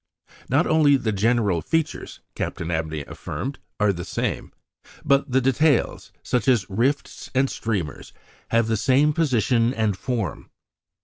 "Not only the general features," Captain Abney affirmed, "are the same, but details, such as rifts and streamers, have the same position and form."